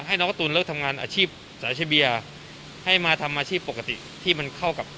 ให้น้องการ์ตูนเลิกทำงานอาชีพสายเชเบียให้มาทำอาชีพปกติที่มันเข้ากับ